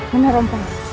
benar om pai